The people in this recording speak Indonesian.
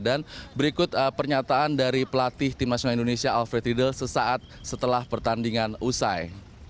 dan berikut pernyataan dari pelatih tim nasional indonesia alfred riedel sesaat setelah pertandingan usai